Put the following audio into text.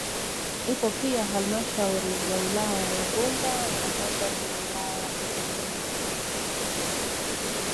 Ipo pia halmashauri ya wilaya ya Bunda na halmashauri ya wilaya ya Bunda mjini